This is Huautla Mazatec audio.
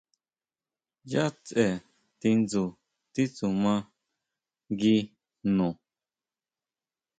¿ʼYá tseʼe tindsu titsuma ngui jno?